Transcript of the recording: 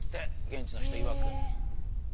現地の人いわく。